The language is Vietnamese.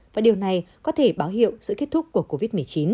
và điều này có thể báo hiệu sự kết thúc của covid một mươi chín